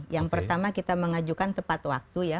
yang pertama kita mengajukan tepat waktu ya